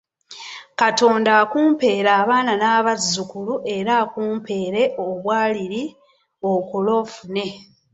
Katonda akumpeere abaana n'abazzukulu era akumpeere obwaliri, okole ofune.